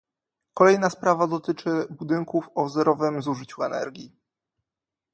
Kolejna sprawa dotyczy budynków o zerowym zużyciu energii